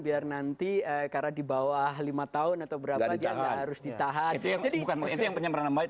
biar nanti karena dibawah lima tahun atau berapa harus ditahan jadi bukan itu yang penyamaran baik